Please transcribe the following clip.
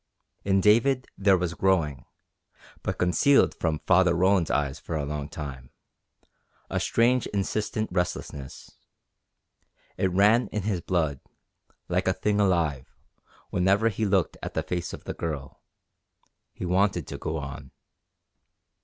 In David there was growing but concealed from Father Roland's eyes for a long time a strange insistent restlessness. It ran in his blood, like a thing alive, whenever he looked at the face of the Girl. He wanted to go on.